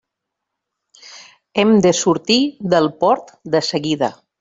Hem de sortir del port de seguida.